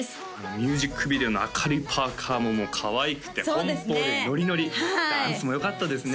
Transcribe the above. ミュージックビデオの明るいパーカーももうかわいくて奔放でノリノリダンスもよかったですね